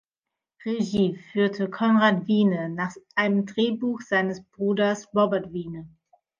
Regie führte Conrad Wiene nach einem Drehbuch seines Bruders Robert Wiene.